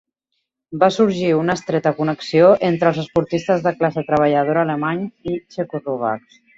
Va sorgir una estreta connexió entre els esportistes de classe treballadora alemanys i txecoslovacs.